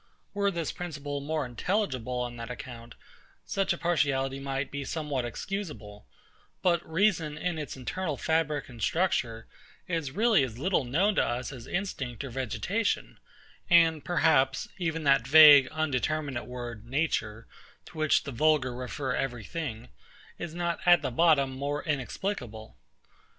Were this principle more intelligible on that account, such a partiality might be somewhat excusable: But reason, in its internal fabric and structure, is really as little known to us as instinct or vegetation; and, perhaps, even that vague, indeterminate word, Nature, to which the vulgar refer every thing, is not at the bottom more inexplicable.